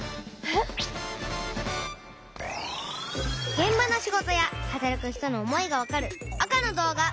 げん場の仕事や働く人の思いがわかる赤の動画。